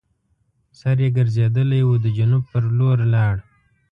سر یې ګرځېدلی وو د جنوب پر لور لاړ.